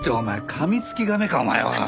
かみつき亀かお前は。